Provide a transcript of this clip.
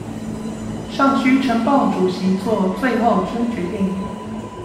尚須呈報主席做最後之決定